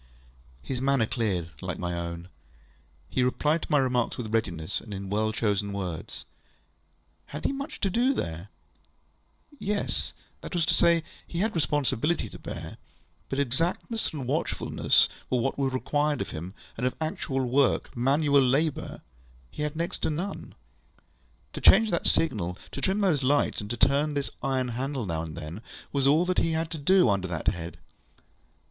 ŌĆØ His manner cleared, like my own. He replied to my remarks with readiness, and in well chosen words. Had he much to do there? Yes; that was to say, he had enough responsibility to bear; but exactness and watchfulness were what was required of him, and of actual workŌĆömanual labourŌĆöhe had next to none. To change that signal, to trim those lights, and to turn this iron handle now and then, was all he had to do under that head.